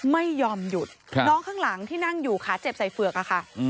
ไม่ยอมหยุดน้องข้างหลังที่นั่งอยู่ขาเจ็บใส่เฝือกอะค่ะ